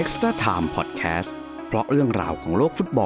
สวัสดีครับ